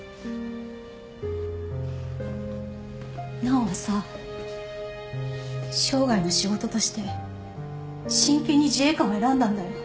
奈央はさ生涯の仕事として真剣に自衛官を選んだんだよ。